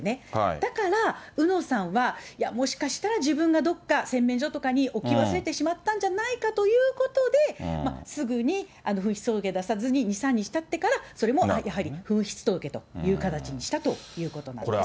だから、うのさんは、いや、もしかしたら、自分がどっか、洗面所とかに置き忘れてしまったんじゃないかということで、すぐに紛失届を出さずに、２、３日たってから、それもやはり紛失届という形にしたということなんです。